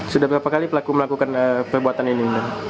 sudah berapa kali pelaku melakukan perbuatan ini